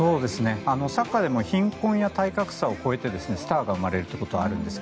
サッカーでも貧困や体格差を超えてスターが生まれるということがあるんです